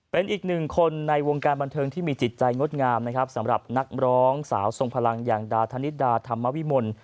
เป็นอีกหนึ่งคนในวงการบันเทิงที่มีจิตใจงดงามนะครับสำหรับนักร้องสาวทรงพลังอย่างดาธนิดาธรรมวิมล